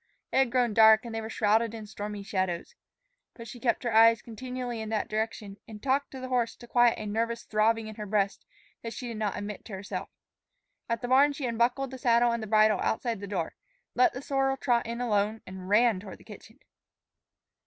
It had grown dark and they were shrouded in stormy shadows. But she kept her eyes continually in that direction, and talked to the horse to quiet a nervous throbbing in her breast that she did not admit to herself. At the barn she unbuckled the saddle and the bridle outside the door, let the sorrel trot in alone, and ran toward the kitchen.